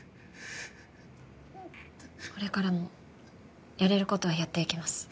これからもやれる事はやっていきます。